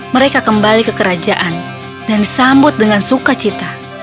mereka kembali ke kerajaan dan disambut dengan suka cita